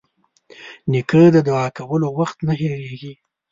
نیکه د دعا کولو وخت نه هېرېږي.